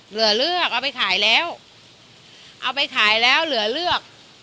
เหลือเลือกเอาไปขายแล้วเอาไปขายแล้วเหลือเลือก